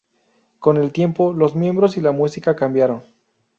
Con el tiempo, los miembros y la música cambiaron.